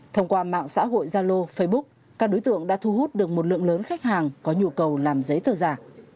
thông qua mạng xã hội zalo facebook các đối tượng đã thu hút được một lượng lớn khách hàng có nhu cầu làm giấy tờ giả